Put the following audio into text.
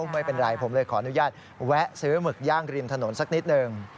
ไม่เป็นไรผมเลยขออนุญาตแวะซื้อหมึกย่างริมถนนสักนิดหนึ่ง